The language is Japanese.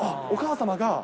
お母様が。